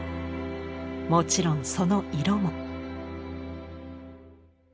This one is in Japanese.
もちろんその色も。